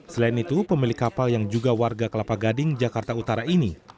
selain itu pemilik kapal yang juga warga kelapa gading jakarta utara ini